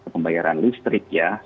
pembayaran listrik ya